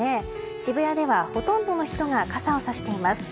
渋谷ではほとんどの人が傘をさしています。